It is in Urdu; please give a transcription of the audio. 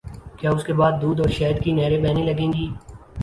کیا اس کے بعد دودھ اور شہد کی نہریں بہنے لگیں گی؟